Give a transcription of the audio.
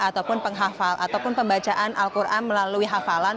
ataupun penghafal ataupun pembacaan al quran melalui hafalan